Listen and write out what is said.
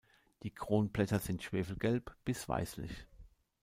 Die Kronblätter sind schwefelgelb bis weißlich.